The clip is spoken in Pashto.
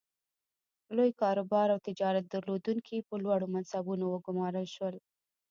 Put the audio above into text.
لوی کاروبار او تجارت درلودونکي په لوړو منصبونو وګومارل شول.